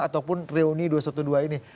ataupun reuni dua ratus dua belas ini